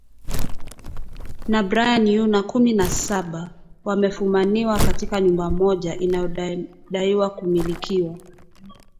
na Brian Yunah kumi na saba wamefumaniwa katika nyumba moja inayodaiwa kumilikiwa